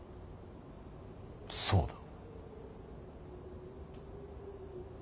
そうだ。